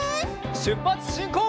しゅっぱつしんこう！